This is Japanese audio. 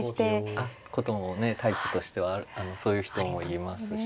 あっこともねタイプとしてはそういう人もいますし。